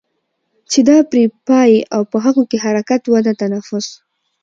چې دا پرې پايي او په هغو کې حرکت، وده، تنفس